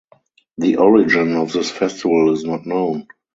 The origin of this festival is not known.